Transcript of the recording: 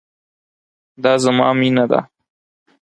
دا زما مينه ده